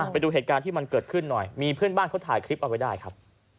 ไปดูเหตุการณ์ที่มันเกิดขึ้นหน่อยมีเพื่อนบ้านเขาถ่ายคลิปเอาไว้ได้ครับ